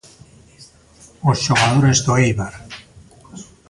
Os xogadores do Éibar.